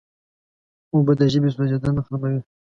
اوبه د ژبې سوځیدنه ختموي.